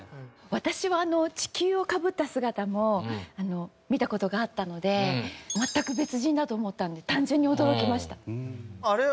私はあの地球をかぶった姿も見た事があったので全く別人だと思ったので単純に驚きました。